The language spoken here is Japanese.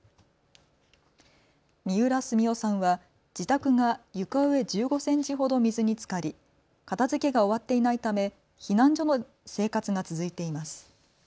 三浦澄夫さんは自宅が床上１５センチほど水につかり片づけが終わっていないため避難所の生活が続いています。